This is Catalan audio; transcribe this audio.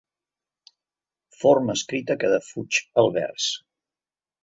Forma escrita que defuig el vers.